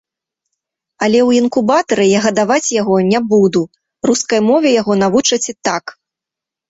Але ў інкубатары я гадаваць яго не буду, рускай мове яго навучаць і так.